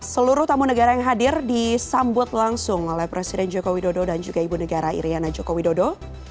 seluruh tamu negara yang hadir disambut langsung oleh presiden joko widodo dan juga ibu negara iryana joko widodo